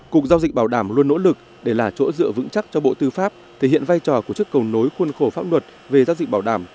cục giao dịch bảo đảm luôn nỗ lực để là chỗ dựa vững chắc cho bộ tư pháp thể hiện vai trò của chức cầu nối khuôn khổ pháp luật về giao dịch bảo đảm